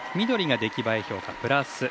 緑が出来栄え評価、プラス。